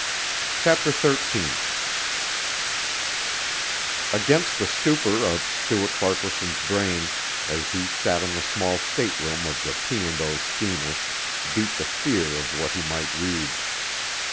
CHAPTER XIII Against the stupor of Stuart Farquaharson's brain, as he sat in the small stateroom of the P. and O. steamer, beat the fear of what he might read.